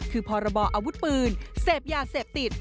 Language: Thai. คือพรบออาวุธปืนเสพยาเสพติด